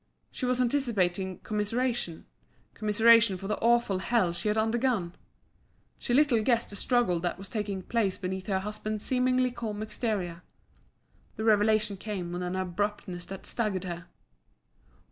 She was anticipating commiseration commiseration for the awful hell she had undergone. She little guessed the struggle that was taking place beneath her husband's seemingly calm exterior. The revelation came with an abruptness that staggered her.